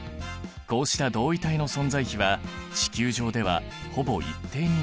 こうした同位体の存在比は地球上ではほぼ一定になる。